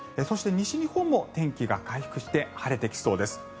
そして、西日本も天気が回復して晴れてきそうです。